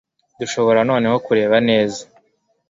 dushobora noneho kureba neza